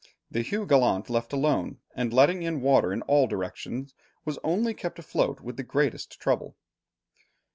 The Hugh Gallant, left alone, and letting in water in all directions, was only kept afloat with the greatest trouble.